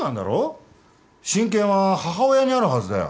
親権は母親にあるはずだよ。